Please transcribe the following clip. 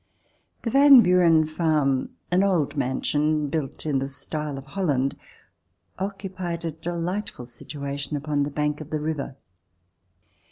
The Van Buren farm, an old mansion built in the style of Holland, occupied a delightful situation upon the bank of the river.